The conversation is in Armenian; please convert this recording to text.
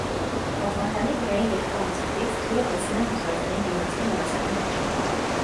Պատվանդանի վրայի երկու անցքերից ջուրը հոսում է հուշարձանի դիմացի ավազանի մեջ։